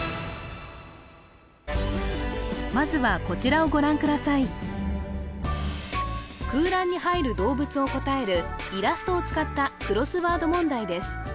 まずは空欄に入る動物を答えるイラストを使ったクロスワード問題です